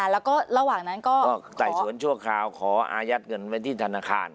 แล้วก็ระหว่างนั้นก็ไต่สวนชั่วคราวขออายัดเงินไว้ที่ธนาคาร